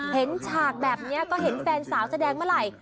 ฉากแบบนี้ก็เห็นแฟนสาวแสดงเมื่อไหร่